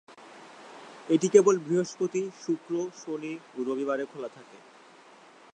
এটি কেবল বৃহস্পতি, শুক্র, শনি ও রবিবারে খোলা থাকে।